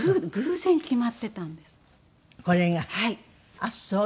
ああそう！